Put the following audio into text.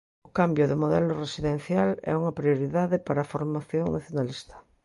O cambio de modelo residencial é unha prioridade para a formación nacionalista.